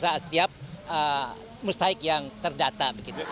saat setiap mustahik yang terdata